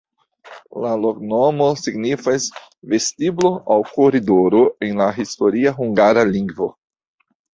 La loknomo signifas: vestiblo aŭ koridoro en la historia hungara lingvo.